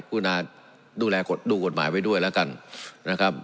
คุณาดูแลดูกฎหมายไว้ด้วยแล้วกันนะครับ